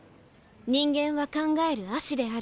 人間は考える葦である。